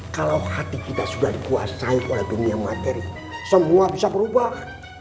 kalau hati kita sudah dikuasai oleh dunia materi semua bisa berubah